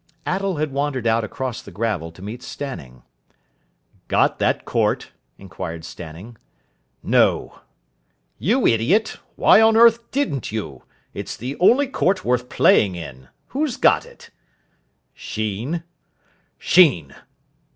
Attell had wandered out across the gravel to meet Stanning. "Got that court?" inquired Stanning. "No." "You idiot, why on earth didn't you? It's the only court worth playing in. Who's got it?" "Sheen." "Sheen!"